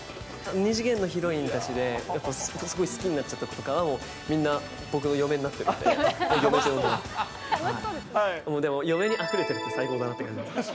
二次元のやっぱ、すごい好きになっちゃった子とかは、みんな僕の嫁になってるんで、嫁にあふれてるって、最高だなって感じ。